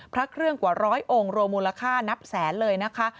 พระเครื่องกว่าร้อยองค์รวมมูลค่านับแสนเลยนะคะ